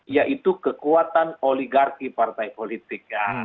yaitu kekuatan oligarki partai politik